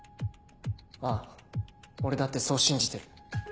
ああ俺だってそう信じてる。